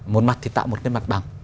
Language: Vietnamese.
một mặt thì tạo một cái mặt bằng